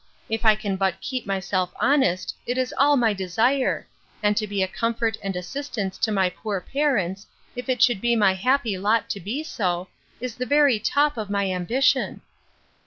If I can but keep myself honest, it is all my desire: And to be a comfort and assistance to my poor parents, if it should be my happy lot to be so, is the very top of my ambition.